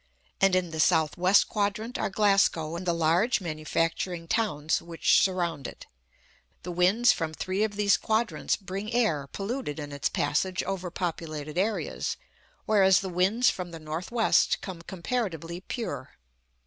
And in the south west quadrant are Glasgow and the large manufacturing towns which surround it. The winds from three of these quadrants bring air polluted in its passage over populated areas, whereas the winds from the north west come comparatively pure.